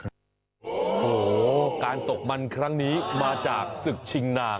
โอ้โหการตกมันครั้งนี้มาจากศึกชิงนาง